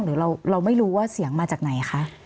หรือเราไม่รู้ว่าเสียงมาจากไหนคะ